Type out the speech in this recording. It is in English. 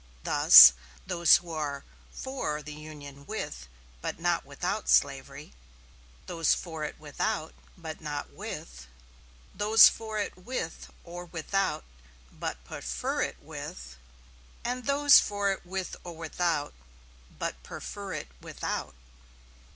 Thus, those who are for the Union with, but not without, slavery those for it without, but not with those for it with or without, but prefer it with and those for it with or without, but prefer it without.